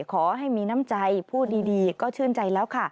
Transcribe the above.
ขอให้มีน้ำใจพูดดีก็ชื่นใจแล้วค่ะ